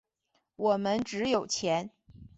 我们只有钱。